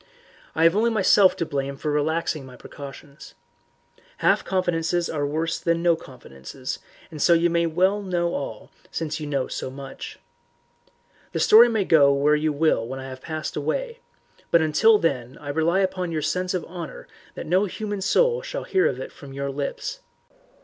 "I have only myself to blame for relaxing my precautions. Half confidences are worse than no confidences, and so you may know all since you know so much. The story may go where you will when I have passed away, but until then I rely upon your sense of honour that no human soul shall hear it from your lips.